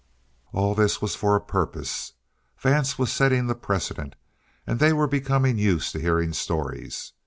All of this was for a purpose. Vance was setting the precedent, and they were becoming used to hearing stories.